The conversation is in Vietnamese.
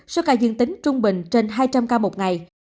số ca dương tính trung bình trên hai trăm linh ca một ngày